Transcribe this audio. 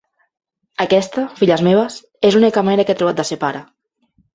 Aquesta, filles meves, és l'única manera que he trobat de ser pare.